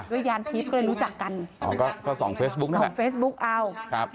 ด้วยยานธิปก็เลยรู้จักกันอ๋อก็ส่องเฟซบุ๊กส่องเฟซบุ๊กเอ้าครับ